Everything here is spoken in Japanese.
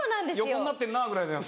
「横になってるな」ぐらいだよ。